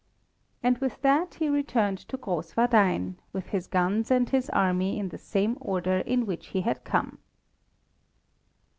And with that he returned to Grosswardein, with his guns and his army in the same order in which he had come.